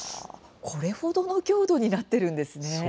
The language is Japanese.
これ程の強度になっているんですね。